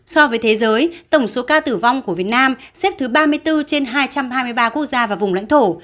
so với thế giới tổng số ca tử vong của việt nam xếp thứ ba mươi bốn trên hai trăm hai mươi ba quốc gia và vùng lãnh thổ